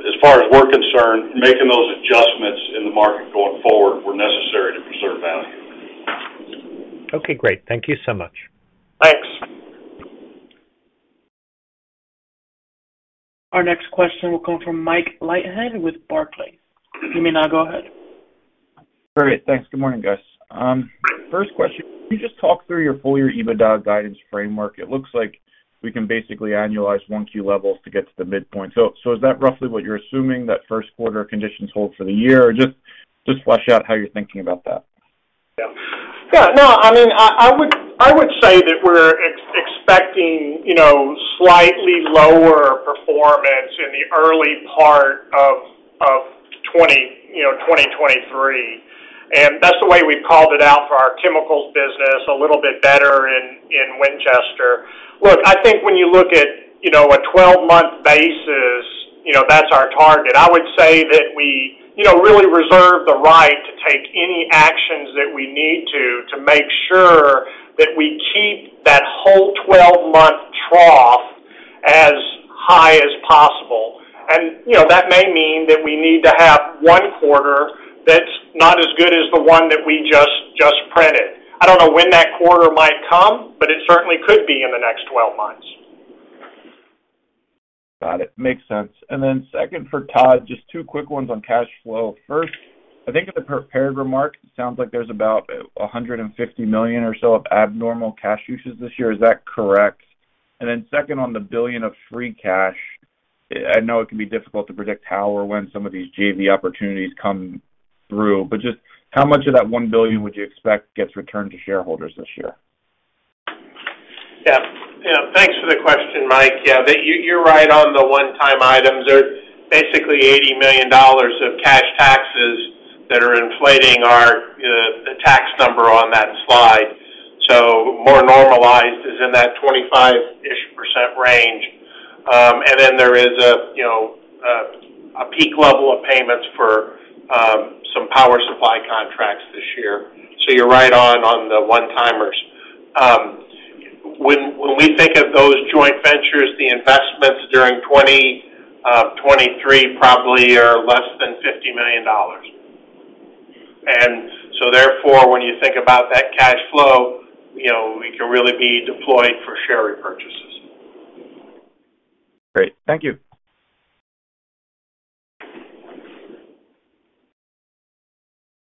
As far as we're concerned, making those adjustments in the market going forward were necessary to preserve value. Okay, great. Thank you so much. Thanks. Our next question will come from Mike Leithead with Barclays. You may now go ahead. Great. Thanks. Good morning, guys. First question, can you just talk through your full year EBITDA guidance framework? It looks like we can basically annualize 1Q levels to get to the midpoint. Is that roughly what you're assuming that 1Q conditions hold for the year? Just flesh out how you're thinking about that. Yeah. Yeah, no, I mean, I would, I would say that we're expecting, you know, slightly lower performance in the early part of 2023. That's the way we called it out for our chemicals business a little bit better in Winchester. Look, I think when you look at, you know, a 12-month basis, you know, that's our target. I would say that we, you know, really reserve the right to take any actions that we need to make sure that we keep that whole 12-month trough as high as possible. You know, that may mean that we need to have one quarter that's not as good as the one that we just printed. I don't know when that quarter might come, but it certainly could be in the next 12 months. Got it. Makes sense. Second for Todd, just two quick ones on cash flow. First, I think in the prepared remarks, it sounds like there's about $150 million or so of abnormal cash uses this year. Is that correct? Second on the $1 billion of free cash, I know it can be difficult to predict how or when some of these JV opportunities come through, but just how much of that $1 billion would you expect gets returned to shareholders this year? Thanks for the question, Mike. You're right on the one-time items. They're basically $80 million of cash taxes that are inflating our the tax number on that slide. More normalized is in that 25%-ish range. There is a, you know, a peak level of payments for some power supply contracts this year. You're right on the one-timers. When we think of those joint ventures, the investments during 2023 probably are less than $50 million. Therefore, when you think about that cash flow, you know, it can really be deployed for share repurchases. Great. Thank you.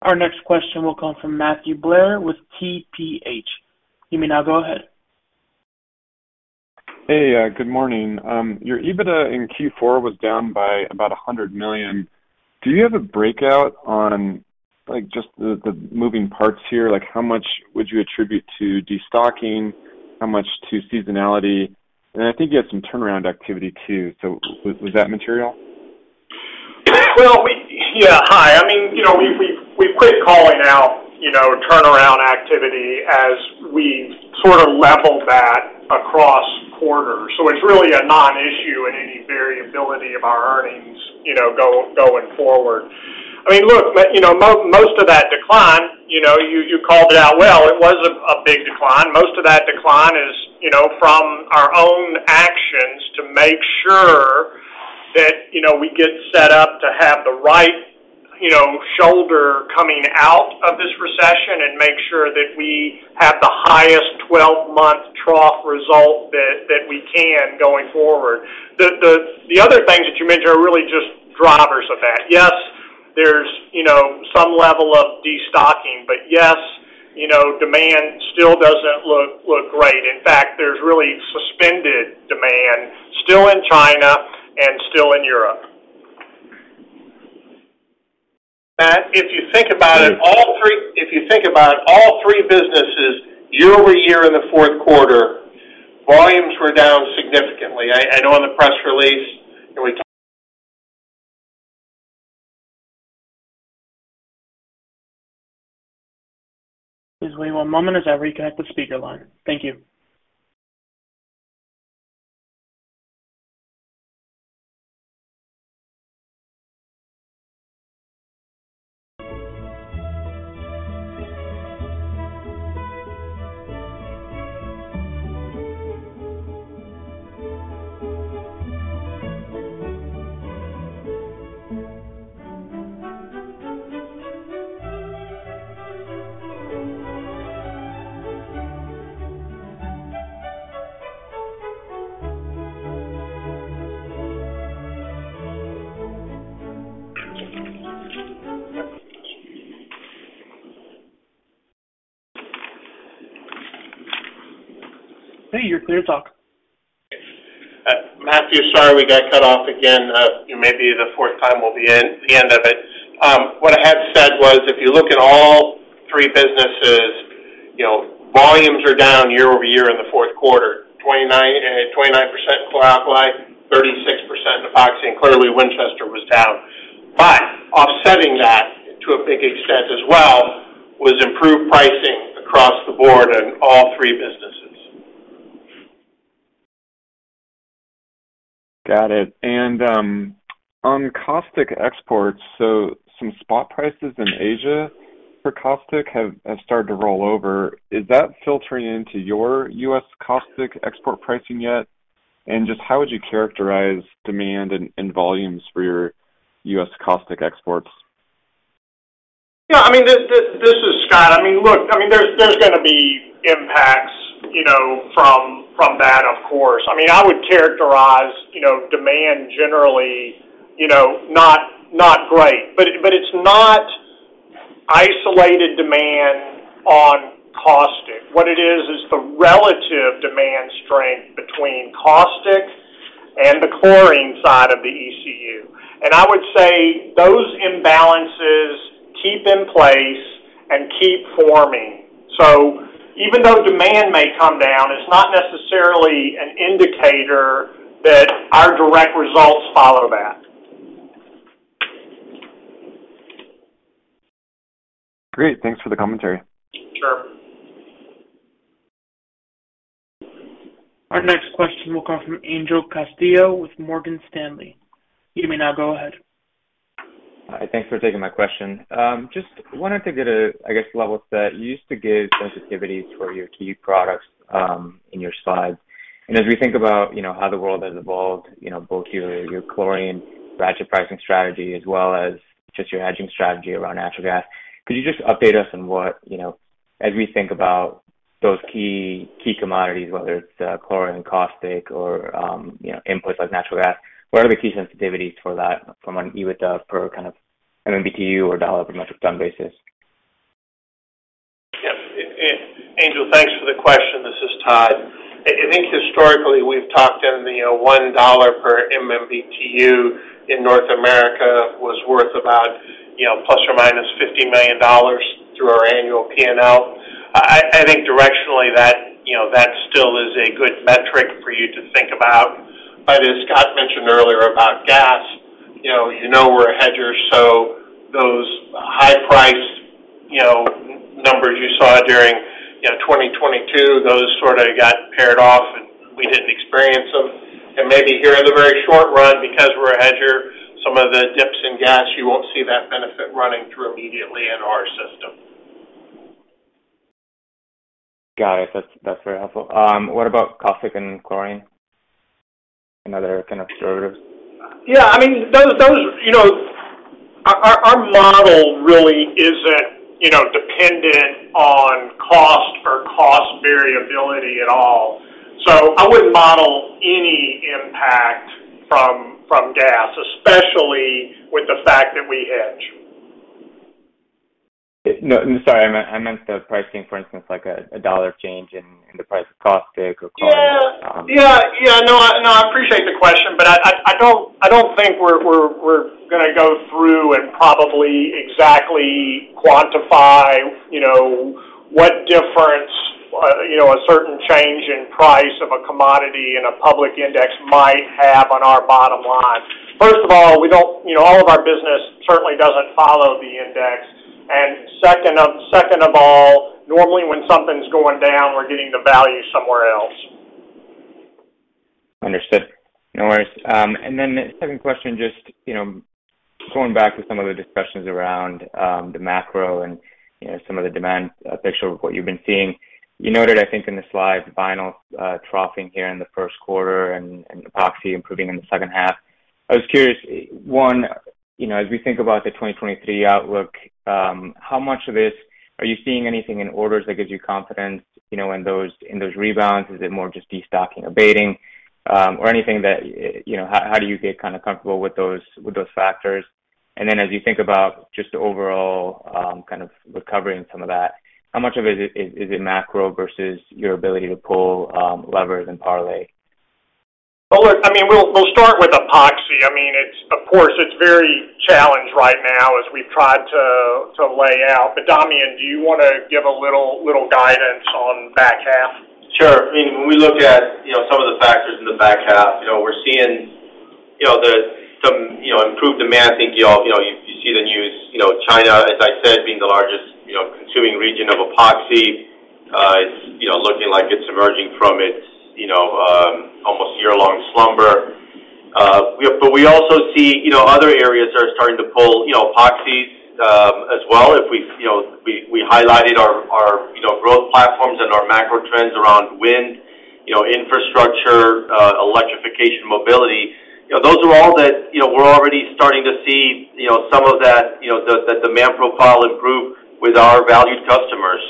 Our next question will come from Matthew Blair with TPH. You may now go ahead. Hey, good morning. Your EBITDA in Q4 was down by about $100 million. Do you have a breakout on, like, just the moving parts here? Like, how much would you attribute to destocking? How much to seasonality? I think you had some turnaround activity too. Was that material? Well, yeah. Hi. I mean, you know, we've quit calling out, you know, turnaround activity as we sort of leveled that across quarters. It's really a non-issue in any variability of our earnings, you know, going forward. I mean, look, you know, most of that decline, you know, you called it out well. It was a big decline. Most of that decline is, you know, from our own actions to make sure that, you know, we get set up to have the right, you know, shoulder coming out of this recession and make sure that we have the highest 12-month trough result that we can going forward. The other things that you mentioned are really just drivers of that. Yes, there's, you know, some level of destocking, but yes, you know, demand still doesn't look great. In fact, there's really suspended demand still in China and still in Europe. Matt, if you think about it, all three businesses year-over-year in the Q4, volumes were down significantly. I know in the press release and we. Please wait one moment as I reconnect the speaker line. Thank you. Hey, you're clear to talk. Matthew, sorry, we got cut off again. Maybe the fourth time will be the end of it. What I had said was if you look at all three businesses, you know, volumes are down year-over-year in the Q4. 29% Chlor-Alkali, 36% Epoxy, and clearly Winchester was down. Offsetting that to a big extent as well was improved pricing across the board in all three businesses. Got it. On caustic exports, so some spot prices in Asia for caustic have started to roll over. Is that filtering into your U.S. caustic export pricing yet? Just how would you characterize demand and volumes for your U.S. caustic exports? Yeah, I mean, this is Scott. I mean, look, I mean, there's gonna be impacts, you know, from that, of course. I mean, I would characterize, you know, demand generally, you know, not great. But it's not isolated demand on caustic. What it is is the relative demand strength between caustic and the chlorine side of the ECU. I would say those imbalances keep in place and keep forming. Even though demand may come down, it's not necessarily an indicator that our direct results follow that. Great. Thanks for the commentary. Sure. Our next question will come from Angel Castillo with Morgan Stanley. You may now go ahead. Hi. Thanks for taking my question. Just wanted to get a, I guess, level set. You used to give sensitivities for your key products in your slides. As we think about, you know, how the world has evolved, you know, both your chlorine ratchet pricing strategy as well as just your hedging strategy around natural gas, could you just update us on what, you know, as we think about those key commodities, whether it's chlorine, caustic or, you know, inputs like natural gas, what are the key sensitivities for that from an EBITDA per kind of MMBtu or dollar per metric ton basis? Yeah. Angel, thanks for the question. This is Todd. I think historically we've talked in the, you know, $1 per MMBtu in North America was worth about, you know, ±$50 million through our annual P&L. I think directionally that, you know, that still is a good metric for you to think about. As Scott mentioned earlier about gas, you know, we're a hedger, so those high price, you know, numbers you saw during, you know, 2022, those sort of got paired off, and we didn't experience them. Maybe here in the very short run, because we're a hedger, some of the dips in gas, you won't see that benefit running through immediately in our system. Got it. That's, that's very helpful. What about caustic and chlorine and other kind of derivatives? Yeah, I mean, those, you know, Our model really isn't variability at all. I wouldn't model any impact from gas, especially with the fact that we hedge. No, I'm sorry. I meant the pricing, for instance, like a $1 change in the price of caustic or chlorine. Yeah. Yeah. No, no, I appreciate the question, but I don't think we're gonna go through and probably exactly quantify, you know, what difference, you know, a certain change in price of a commodity in a public index might have on our bottom line. First of all, we don't, you know, all of our business certainly doesn't follow the index. Second of all, normally, when something's going down, we're getting the value somewhere else. Understood. No worries. Then the second question, just, you know, going back to some of the discussions around the macro and, you know, some of the demand picture of what you've been seeing. You noted, I think in the slide, vinyl troughing here in the Q1 and Epoxy improving in the second half. I was curious, one, you know, as we think about the 2023 outlook, how much of this are you seeing anything in orders that gives you confidence, you know, in those rebounds? Is it more just destocking or abating? Or anything that, you know, how do you get kinda comfortable with those, with those factors? As you think about just the overall, kind of recovery and some of that, how much of it is it macro versus your ability to pull, levers and parlay? Well, look, I mean, we'll start with Epoxy. I mean, of course, it's very challenged right now as we've tried to lay out. Damian, do you wanna give a little guidance on back half? Sure. I mean, when we look at, you know, some of the factors in the back half, you know, we're seeing, you know, some, you know, improved demand. I think y'all, you know, you see the news. You know, China, as I said, being the largest, you know, consuming region of Epoxy, it's, you know, looking like it's emerging from its, you know, almost year-long slumber. We also see, you know, other areas that are starting to pull, you know, Epoxies, as well. If we, you know, we highlighted our, you know, growth platforms and our macro trends around wind, you know, infrastructure, electrification, mobility. You know, those are all that, you know, we're already starting to see, you know, some of that, you know, the demand profile improve with our valued customers.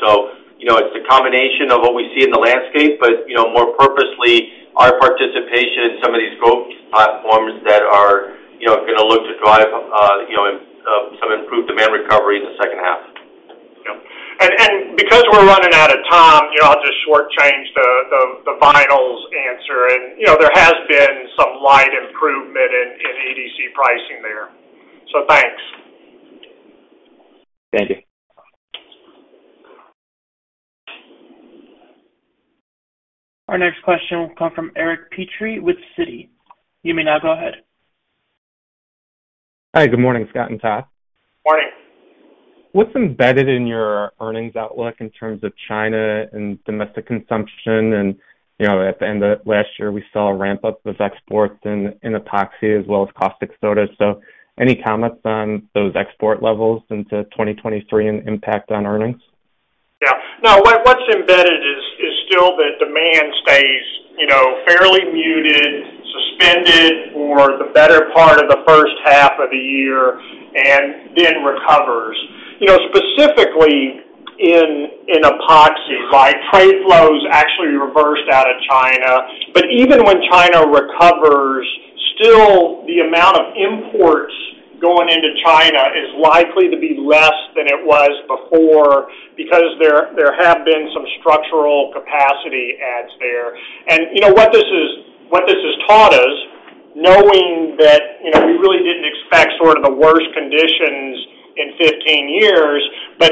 you know, it's a combination of what we see in the landscape, but, you know, more purposely our participation in some of these growth platforms that are, you know, gonna look to drive, you know, some improved demand recovery in the second half. Yeah. Because we're running out of time, you know, I'll just shortchange the Vinyls answer. You know, there has been some light improvement in EDC pricing there. Thanks. Thank you. Our next question will come from Eric Petrie with Citi. You may now go ahead. Hi, good morning, Scott and Todd. Morning. What's embedded in your earnings outlook in terms of China and domestic consumption? You know, at the end of last year, we saw a ramp-up of exports in Epoxy as well as caustic soda. Any comments on those export levels into 2023 and impact on earnings? Yeah. No, what's embedded is still that demand stays, you know, fairly muted, suspended for the better part of the first half of the year. Then recovers. You know, specifically in Epoxy, right? Trade flows actually reversed out of China. Even when China recovers, still the amount of imports going into China is likely to be less than it was before because there have been some structural capacity adds there. You know, what this has taught us, knowing that, you know, we really didn't expect sort of the worst conditions in 15 years.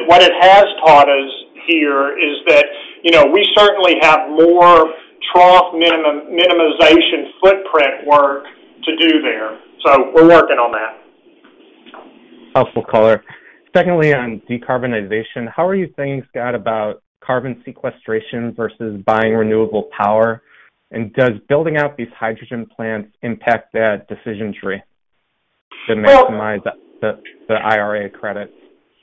What it has taught us here is that, you know, we certainly have more trough minimization footprint work to do there. We're working on that. Helpful color. Secondly, on decarbonization, how are you thinking, Scott, about carbon sequestration versus buying renewable power? Does building out these hydrogen plants impact that decision tree? Well- to maximize the IRA credit?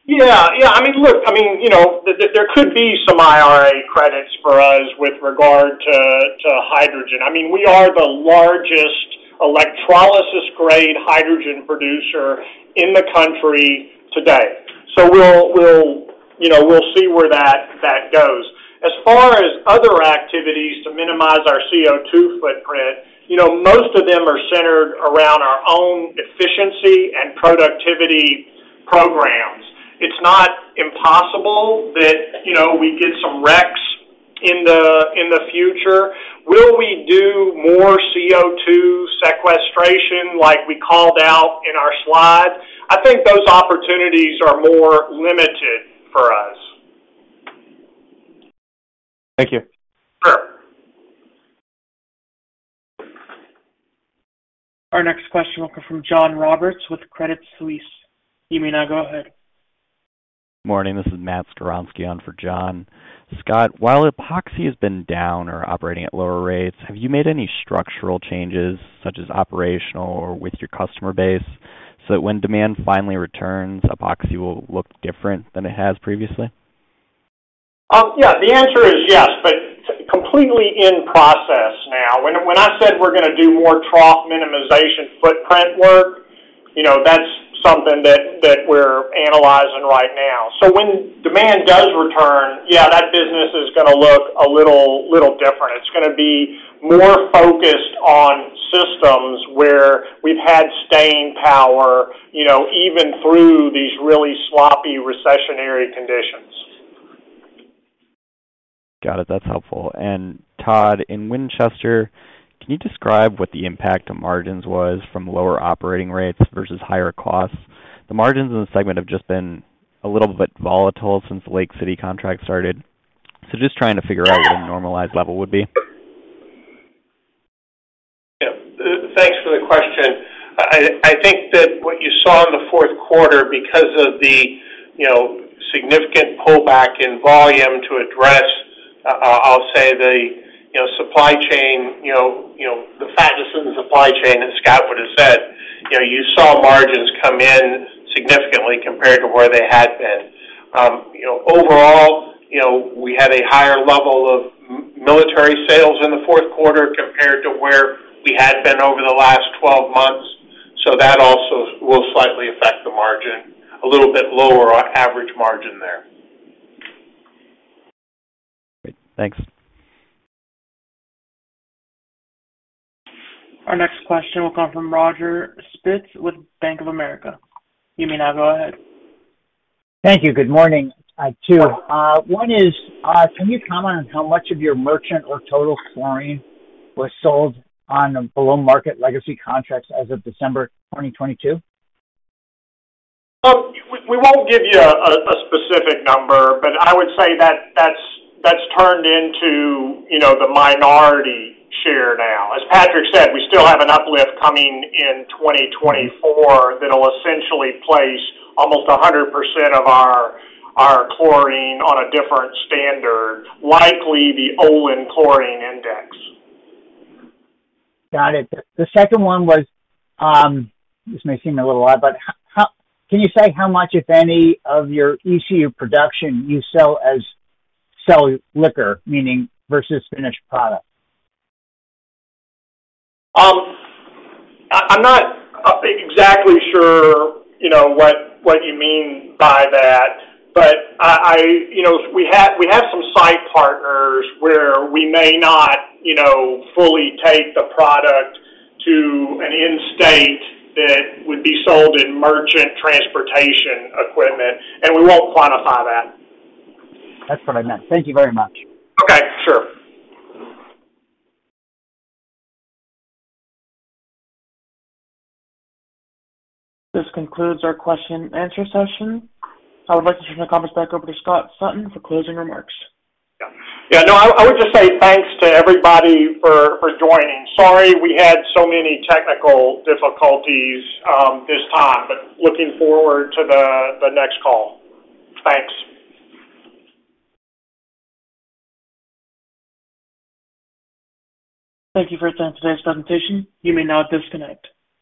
Yeah. Yeah. I mean, look, I mean, you know, there could be some IRA credits for us with regard to hydrogen. I mean, we are the largest electrolysis grade hydrogen producer in the country today. We'll, you know, we'll see where that goes. As far as other activities to minimize our CO2 footprint, you know, most of them are centered around our own efficiency and productivity programs. It's not impossible that, you know, we get some RECs in the, in the future. Will we do more CO2 sequestration like we called out in our slide? I think those opportunities are more limited for us. Thank you. Sure. Our next question will come from John Roberts with Credit Suisse. You may now go ahead. Morning. This is Matt Skowronski on for John. Scott, while Epoxy has been down or operating at lower rates, have you made any structural changes, such as operational or with your customer base, so that when demand finally returns, Epoxy will look different than it has previously? Yeah. The answer is yes, but completely in process now. When I said we're gonna do more trough minimization footprint work, you know, that we're analyzing right now. When demand does return, yeah, that business is gonna look a little different. It's gonna be more focused on systems where we've had staying power, you know, even through these really sloppy recessionary conditions. Got it. That's helpful. Todd, in Winchester, can you describe what the impact to margins was from lower operating rates versus higher costs? The margins in the segment have just been a little bit volatile since the Lake City contract started. Just trying to figure out what a normalized level would be. Yeah. Thanks for the question. I think that what you saw in the Q4 because of the, you know, significant pullback in volume to address, I'll say the, you know, supply chain, you know, the fatness in the supply chain, as Scott would have said, you know, you saw margins come in significantly compared to where they had been. Overall, you know, we had a higher level of military sales in the Q4 compared to where we had been over the last 12 months, so that also will slightly affect the margin, a little bit lower our average margin there. Great. Thanks. Our next question will come from Roger Spitz with Bank of America. You may now go ahead. Thank you. Good morning. I have two. One is, can you comment on how much of your merchant or total chlorine was sold on the below market legacy contracts as of December 2022? We won't give you a specific number, but I would say that that's turned into, you know, the minority share now. As Patrick said, we still have an uplift coming in 2024 that'll essentially place almost 100% of our chlorine on a different standard, likely the Olin Chlor-Alkali Index. Got it. The second one was, this may seem a little odd, but how can you say how much, if any, of your ECU production you sell as cell liquor, meaning versus finished product? I'm not exactly sure, you know, what you mean by that. You know, we have some site partners where we may not, you know, fully take the product to an end state that would be sold in merchant transportation equipment, and we won't quantify that. That's what I meant. Thank you very much. Okay, sure. This concludes our question and answer session. I would like to turn the conference back over to Scott Sutton for closing remarks. Yeah. Yeah. No. I would just say thanks to everybody for joining. Sorry we had so many technical difficulties this time. Looking forward to the next call. Thanks. Thank you for attending today's presentation. You may now disconnect.